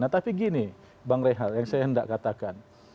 nah tapi gini bang rehal yang saya hendak katakan